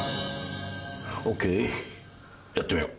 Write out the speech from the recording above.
ＯＫやってみよう。